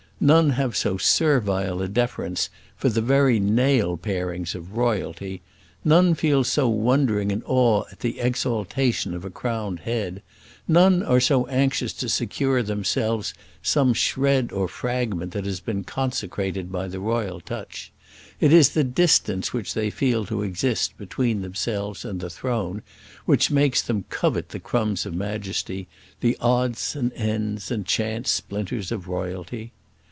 None have so servile a deference for the very nail parings of royalty; none feel so wondering an awe at the exaltation of a crowned head; none are so anxious to secure themselves some shred or fragment that has been consecrated by the royal touch. It is the distance which they feel to exist between themselves and the throne which makes them covet the crumbs of majesty, the odds and ends and chance splinters of royalty.